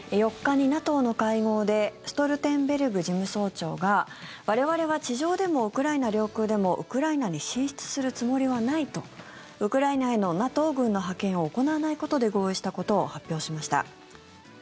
４日にＮＡＴＯの会合でストルテンベルグ事務総長が我々は地上でもウクライナ領空でもウクライナに進出するつもりはないとウクライナへのＮＡＴＯ軍の派遣を行わないことで合意したことを発表しました。